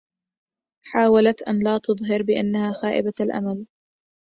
حاولت أن لا تظهر بأنها خائبة الأمل.